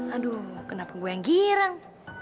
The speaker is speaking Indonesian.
aduh kenapa gue yang girang